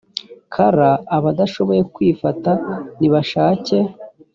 kr abadashoboye kwifata nibashake